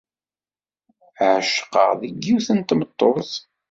Ԑecqeɣ deg yiwet n tmeṭṭut.